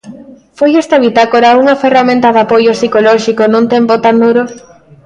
Foi esta bitácora unha ferramenta de apoio psicolóxico nun tempo tan duro?